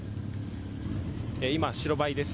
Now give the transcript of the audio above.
今、白バイです。